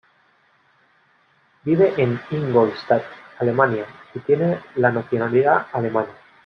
Vive en Ingolstadt, Alemania, y tiene la nacionalidad alemana.